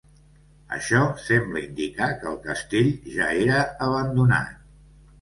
Això sembla indicar que el castell ja era abandonat.